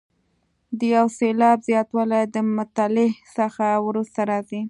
د یو سېلاب زیاتوالی د مطلع څخه وروسته راځي.